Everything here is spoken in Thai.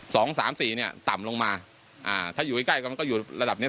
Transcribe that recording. สองสามสี่เนี้ยต่ำลงมาอ่าถ้าอยู่ใกล้ใกล้ก็มันก็อยู่ระดับเนี้ย